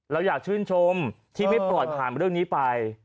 เราอยากชื่นชมที่พี่ปลอดภัณฑ์กับเรื่องนี้ไป